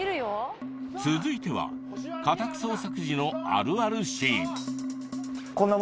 続いては家宅捜索時のあるあるシーン。